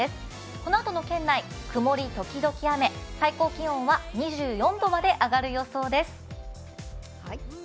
このあとの県内、曇り時々雨最高気温は２４度まで上がる予想です。